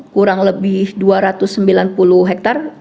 kurang lebih dua ratus sembilan puluh hektare